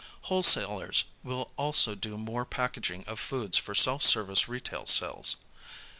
Wholesalers will also do more packaging of foods for self service retail sales.